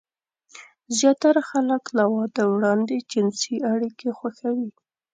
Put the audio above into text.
زياتره خلک له واده وړاندې جنسي اړيکې خوښوي.